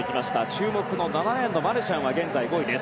注目の７レーンのマルシャンは現在５位。